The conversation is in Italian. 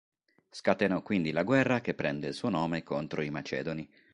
Scatenò quindi la guerra che prende il suo nome contro i Macedoni.